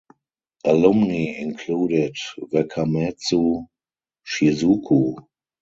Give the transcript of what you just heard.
Alumni included Wakamatsu Shizuko.